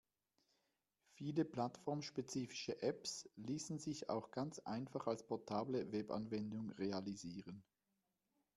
Viele plattformspezifische Apps ließen sich auch ganz einfach als portable Webanwendung realisieren.